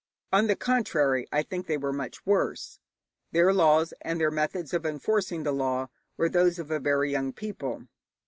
On the contrary, I think they were much worse. Their laws and their methods of enforcing the law were those of a very young people.